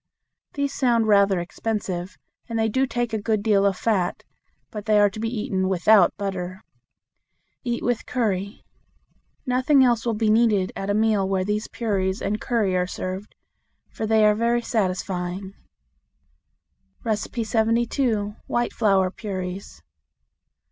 These sound rather expensive, and they do take a good deal of fat; but they are to be eaten without butter. Eat with curry. Nothing else will be needed at a meal where these puris and curry are served, for they are very satisfying. 72. White Flour Puris.